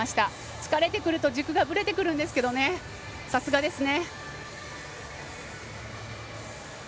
疲れてくると軸がぶれてくるんですけどさすがですね。